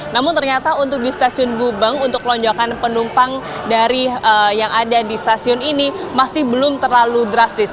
namun ternyata untuk di stasiun gubeng untuk lonjakan penumpang yang ada di stasiun ini masih belum terlalu drastis